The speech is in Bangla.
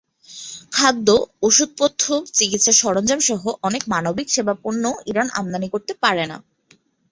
খাদ্য, ওষুধপথ্য, চিকিৎসার সরঞ্জামসহ অনেক মানবিক সেবাপণ্যও ইরান আমদানি করতে পারে না।